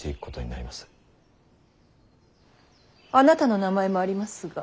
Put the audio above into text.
あなたの名前もありますが。